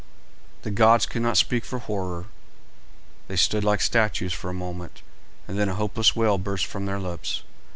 The gods could not speak for horror. They stood like statues for a moment, and then a hopeless wail burst from their lips.